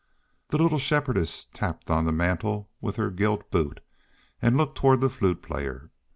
The little Shepherdess tapped on the mantel with her gilt boot and looked toward the Flute Player.